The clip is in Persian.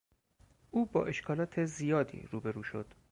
او با اشکالات زیادی روبرو شد.